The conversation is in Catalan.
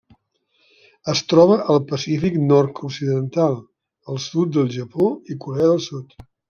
Es troba al Pacífic nord-occidental: el sud del Japó i Corea del Sud.